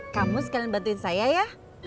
kamu sekalian bantuin saya ya